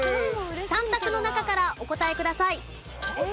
３択の中からお答えください。